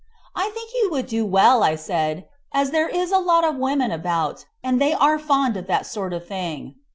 "I think you would do well," said I, "as there is a lot of women about, and they are fond of that sort of thing."